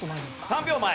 ３秒前。